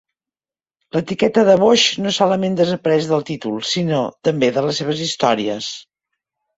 L'etiqueta de boix, no solament desapareix del títol sinó també de les seves històries.